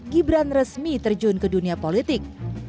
gibran resmi terjun ke dunia politik